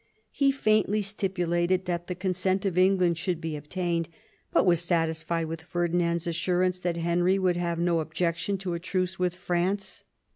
He faintly stipulated that the consent of England should be obtained, but was satisfied with Ferdinand's assurance that Henry would have no objection to a truce with France.